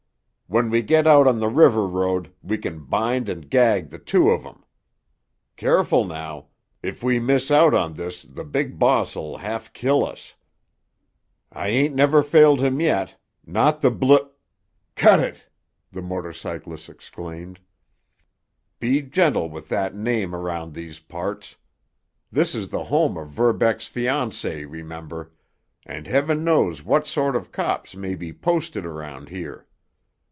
When we get out on the river road we can bind and gag the two of 'em. Careful now. If we miss out on this the big boss'll half kill us." "I ain't never failed him yet, not the Bl——" "Cut it!" the motor cyclist exclaimed. "Be gentle with that name around these parts. This is the home of Verbeck's fiancée, remember, and Heaven knows what sort of cops might be posted around here.